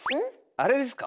あれですか。